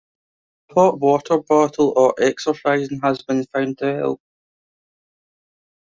A hot water bottle or exercising has been found to help.